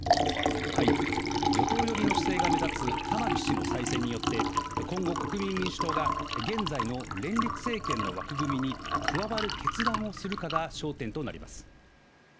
与党寄りの姿勢が目立つ玉木氏の再選によって、今後、国民民主党が現在の連立政権の枠組みに加わる決断をするかが焦点となります。